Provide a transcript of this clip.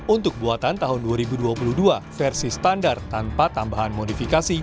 untuk buatan tahun dua ribu dua puluh dua versi standar tanpa tambahan modifikasi